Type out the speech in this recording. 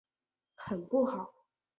很不好！